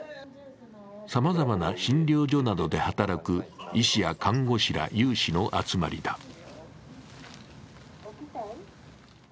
さまざまな診療所などで働く医師や看護師ら有志の集まりだ。